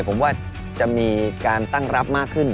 ผมว่าจะมีการตั้งรับมากขึ้น